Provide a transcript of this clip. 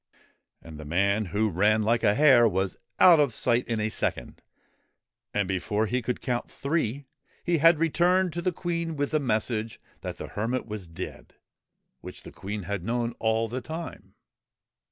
And the man who ran like a hare was out of sight in a second, and before they could count three he had returned to the Queen with the message that the hermit was dead, which the Queen had known all the time.